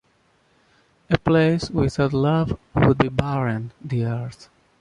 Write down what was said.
a place without love would be barren ...the earth